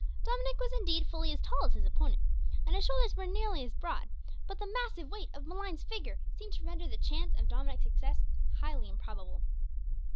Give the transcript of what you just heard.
Dominick was indeed fully as tall as his opponent, and his shoulders were nearly as broad, but the massive weight of Malines's figure seemed to render the chance of Dominick's success highly improbable.